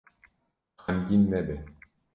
Xemgîn nebe.